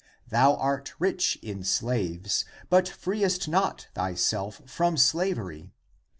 Thou art rich in slaves. <but freest not thy self from slavery.